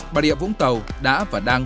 bà địa vũng tàu đã và đang